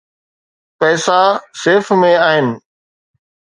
پئسا سيف ۾ آهن.